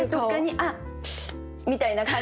「あっ」みたいな感じの。